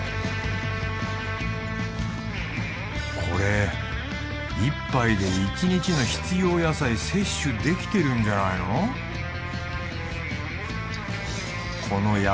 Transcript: これ１杯で一日の必要野菜摂取できてるんじゃないの？